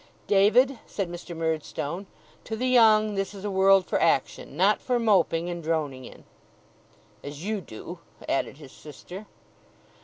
'David,' said Mr. Murdstone, 'to the young this is a world for action; not for moping and droning in.' 'As you do,' added his sister.